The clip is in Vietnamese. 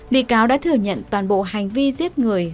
bị cáo đã thừa nhận toàn bộ hành vi giết người